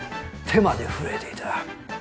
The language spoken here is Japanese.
手まで震えていた。